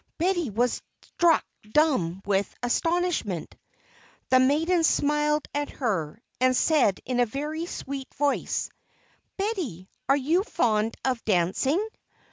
Betty was struck dumb with astonishment. The maiden smiled at her, and said in a very sweet voice: "Betty, are you fond of dancing?"